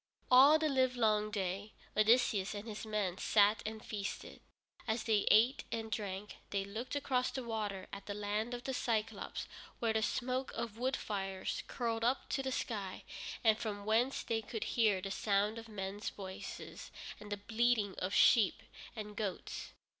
All the livelong day Odysseus and his men sat and feasted. As they ate and drank, they looked across the water at the Land of the Cyclôpes, where the smoke of wood fires curled up to the sky, and from whence they could hear the sound of men's voices and the bleating of sheep and goats.